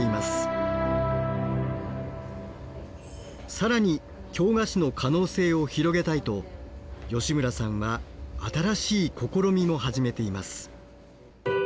更に京菓子の可能性を広げたいと吉村さんは新しい試みも始めています。